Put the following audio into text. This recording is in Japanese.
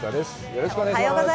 よろしくお願いします。